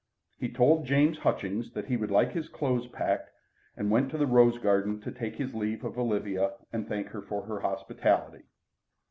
He told James Hutchings that he would like his clothes packed, and went to the rose garden to taken his leave of Olivia and thank her for her hospitality.